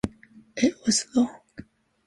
It was long.